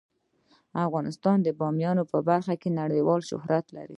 افغانستان د بامیان په برخه کې نړیوال شهرت لري.